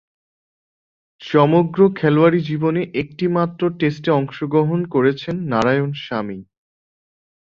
সমগ্র খেলোয়াড়ী জীবনে একটিমাত্র টেস্টে অংশগ্রহণ করেছেন নারায়ণ স্বামী।